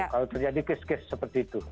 kalau terjadi kes kes seperti itu